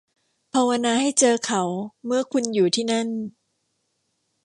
ภาวนาให้เจอเขาเมื่อคุณอยู่ที่นั่น